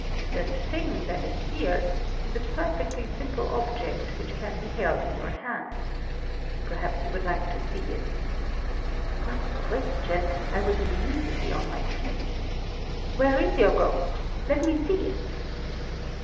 The thing that is here is a perfectly simple object which can be held in your hand. Perhaps you would like to see it?" What a question! I was immediately on my feet. "Where's your ghost? Let me see it!"